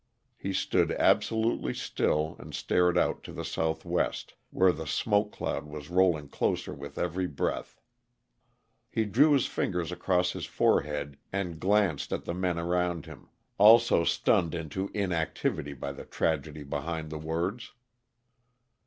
_" He stood absolutely still and stared out to the southwest, where the smoke cloud was rolling closer with every breath. He drew his fingers across his forehead and glanced at the men around him, also stunned into inactivity by the tragedy behind the words.